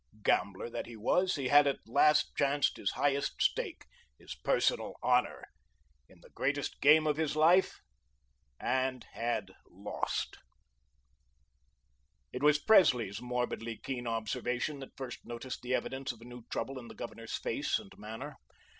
Gambler that he was, he had at last chanced his highest stake, his personal honour, in the greatest game of his life, and had lost. It was Presley's morbidly keen observation that first noticed the evidence of a new trouble in the Governor's face and manner.